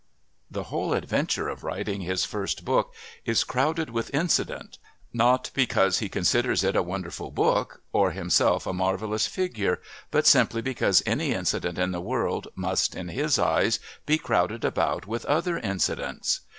The whole adventure of writing his first book is crowded with incident, not because he considers it a wonderful book or himself a marvellous figure, but simply because any incident in the world must, in his eyes, be crowded about with other incidents.